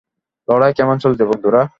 লড়াই কেমন চলছে, বন্ধুরা?